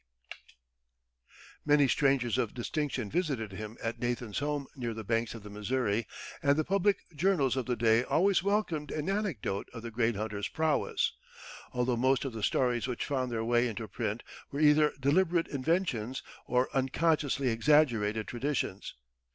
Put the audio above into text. ] Many strangers of distinction visited him at Nathan's home near the banks of the Missouri, and the public journals of the day always welcomed an anecdote of the great hunter's prowess although most of the stories which found their way into print were either deliberate inventions or unconsciously exaggerated traditions.